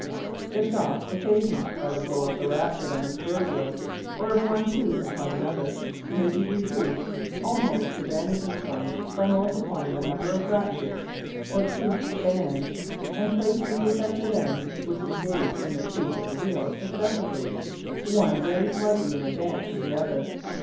The shock occasioned by the blow of the ratchet on the spur wheel, or of one tooth upon another, may be reduced almost to vanishing point by multiplying the number of ratchets or toothed bands, and placing the effective ends, which engage in the teeth of the wheel successively, one very slightly in advance of the other.